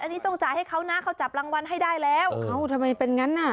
อันนี้ต้องจ่ายให้เขานะเขาจับรางวัลให้ได้แล้วเอ้าทำไมเป็นงั้นน่ะ